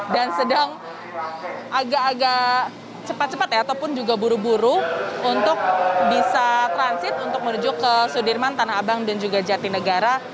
dan sedang agak agak cepat cepat ya ataupun juga buru buru untuk bisa transit untuk menuju ke sudirman tanah abang dan juga jatinegara